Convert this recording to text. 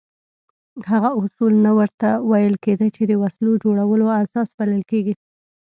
هغه اصول نه ورته ویل کېده چې د وسلو جوړولو اساس بلل کېږي.